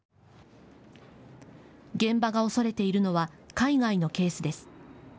現場が恐れているのは海外のケースです。